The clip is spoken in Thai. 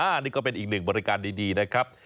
อันนี้ก็เป็นอีกหนึ่งบริการดีนะครับ